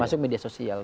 masuk media sosial